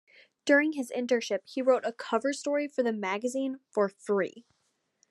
During his internship he wrote a cover story for the magazine for free.